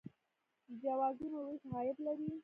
د جوازونو ویش عاید لري